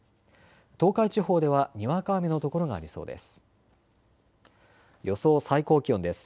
東海地方ではにわか雨の所がありそうです。